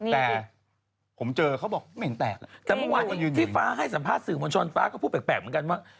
แต่ผมเจอเขาบอกไม่เห็นแตกแต่เมื่อวานที่ฟ้าให้สัมภาษณสื่อมวลชนฟ้าก็พูดแปลกเหมือนกันว่า